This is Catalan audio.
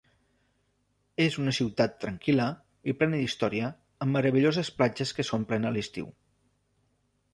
És una ciutat tranquil·la i plena d'història amb meravelloses platges que s'omplen a l'estiu.